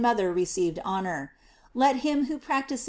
mother received honor. Let him who practise!